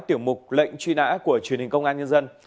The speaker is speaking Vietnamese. tiểu mục lệnh truy nã của truyền hình công an nhân dân